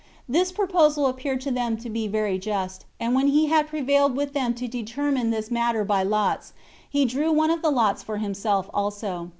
This proposal appeared to them to be very just; and when he had prevailed with them to determine this matter by lots, he drew one of the lots for himself also.